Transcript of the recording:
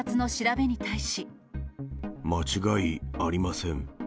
間違いありません。